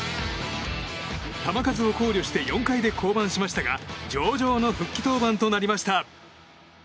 球数を考慮して４回で降板しましたが上々の復帰登板となりました。